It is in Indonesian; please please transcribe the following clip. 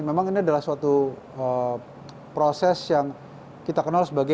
memang ini adalah suatu proses yang kita kenal sebagai